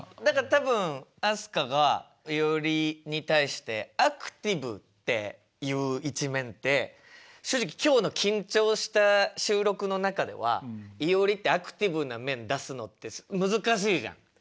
だから多分飛鳥がいおりに対して「アクティブ」っていう一面って正直今日の緊張した収録の中ではいおりってアクティブな面出すのって難しいじゃん。